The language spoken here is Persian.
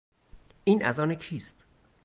این از آن کیست؟